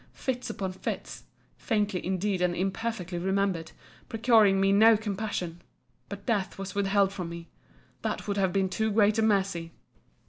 —fits upon fits, (faintly indeed and imperfectly remembered,) procuring me no compassion—But death was withheld from me. That would have been too great a mercy!